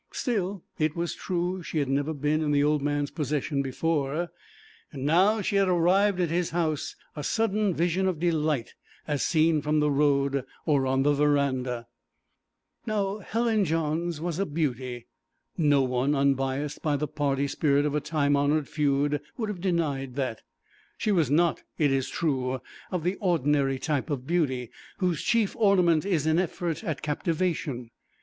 Still, it was true she had never been in the old man's possession before, and now she had arrived at his house, a sudden vision of delight as seen from the road or on the verandah. Now Helen Johns was a beauty; no one unbiassed by the party spirit of a time honoured feud would have denied that. She was not, it is true, of the ordinary type of beauty, whose chief ornament is an effort at captivation.